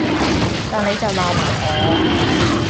但你就鬧埋我